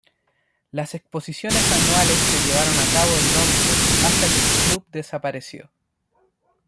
Las exposiciones anuales se llevaron a cabo en Londres hasta que el club desapareció.